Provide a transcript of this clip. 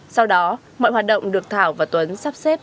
sau đó mọi hoạt động được thảo và tuấn sắp xếp